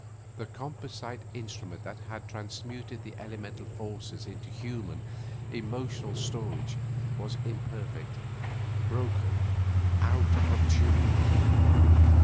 The composite instrument that had transmuted the elemental forces into human, emotional storage was imperfect, broken, out of tune.